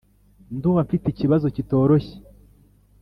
ndumva mfite ikibazo kitoroshye